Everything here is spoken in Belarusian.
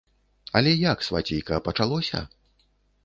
Але як, свацейка, пачалося?!